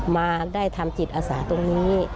มาได้ทำจิตอาสาตรงนี้